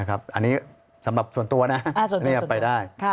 อันนี้สำหรับส่วนตัวนะเงียบไปได้